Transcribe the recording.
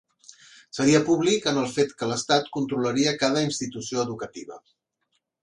Seria públic en el fet que l'estat controlaria cada institució educativa.